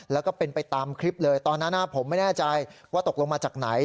แล้วก็เป็นไปตามคลิปเลยตอนนั้นผมไม่แน่ใจว่าตกลงมาจากไหน